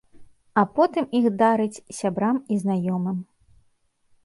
А потым іх дарыць сябрам і знаёмым.